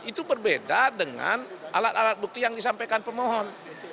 itu berbeda dengan alat alat bukti yang disampaikan pemohon